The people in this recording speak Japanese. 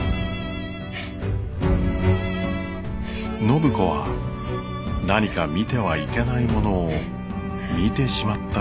・暢子は何か見てはいけないものを見てしまったような気がしました。